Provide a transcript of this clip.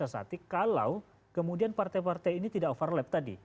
tapi bisa disasati kalau kemudian partai partai ini tidak overlap tadi